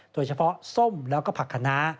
โดยเฉพาะส้มแล้วก็ผักขนา